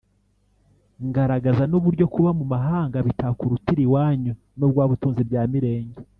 ngaragaza n’uburyo kuba mu mahanga bitakurutira iwanyu nubwo waba utunze ibya mirenge